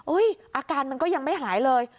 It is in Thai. อาการมันก็ยังไม่หายเลย